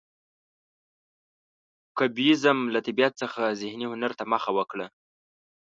کوبیزم له طبیعت څخه ذهني هنر ته مخه وکړه.